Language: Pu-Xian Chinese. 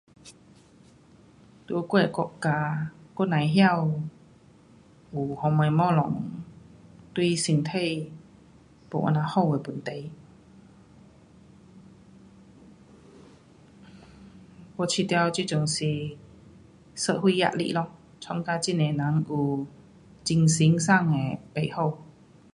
在我的国家，我甭晓有什么东西对身体没这么好的问题。 我觉得这阵是社会压力咯。弄到很多人有精神上的不好。